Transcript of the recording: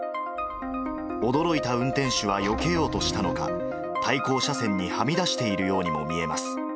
驚いた運転手はよけようとしたのか、対向車線にはみ出しているようにも見えます。